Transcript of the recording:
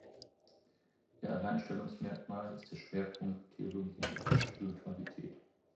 Ihr Alleinstellungsmerkmal ist der Schwerpunkt Theologie der Spiritualität.